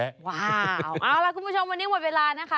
ว้าวเอาล่ะคุณผู้ชมวันนี้หมดเวลานะคะ